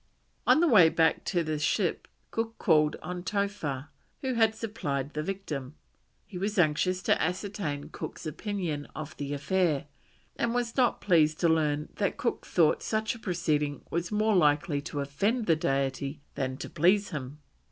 On the way back to the ship Cook called on Towha, who had supplied the victim. He was anxious to ascertain Cook's opinion of the affair, and was not pleased to learn that Cook thought such a proceeding was more likely to offend the Deity than to please him.